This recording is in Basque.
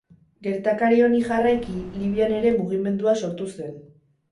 Gertakari honi jarraiki Libian ere mugimendua sortu zen.